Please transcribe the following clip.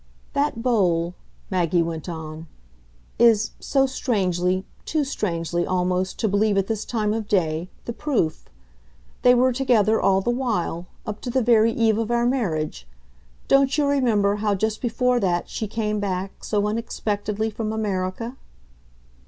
"That bowl," Maggie went on, "is, so strangely too strangely, almost, to believe at this time of day the proof. They were together all the while up to the very eve of our marriage. Don't you remember how just before that she came back, so unexpectedly, from America?"